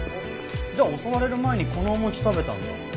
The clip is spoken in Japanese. じゃあ襲われる前にこのお餅食べたんだ。